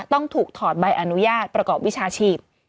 ต้องถูกถอดใบอนุญาตประกอบวิชาชีพ